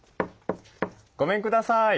ごめんください。